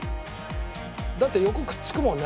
「だって横くっつくもんね